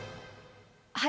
はい。